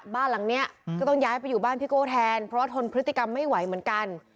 บ้านหลังนี้ก็ต้องย้ายไปอยู่บ้านพี่โก้แทนเพราะว่าทนพฤติกรรมไม่ไหวเหมือนกัน